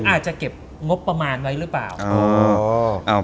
อาจจะเก็บงบประมาณไว้หรือเปล่า